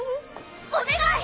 お願い！